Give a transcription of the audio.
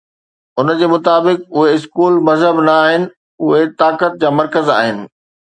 هن جي مطابق، اهي اسڪول مذهب نه آهن، اهي طاقت جا مرڪز آهن.